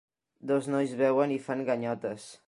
Dos nois beuen i fan ganyotes.